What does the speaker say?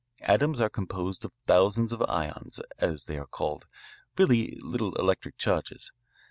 Atoms are composed of thousands of ions, as they are called, really little electric charges.